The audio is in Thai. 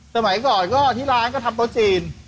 สมัยก่อนที่ร้านก็ทำรถจีน